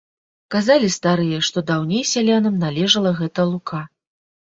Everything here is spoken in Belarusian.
Казалі старыя, што даўней сялянам належала гэта лука.